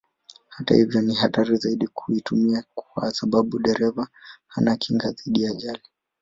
Hata hivyo ni hatari zaidi kuitumia kwa sababu dereva hana kinga dhidi ya ajali.